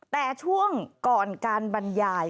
แต่ช่วงก่อนการบรรยาย